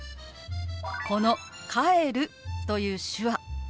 この「帰る」という手話。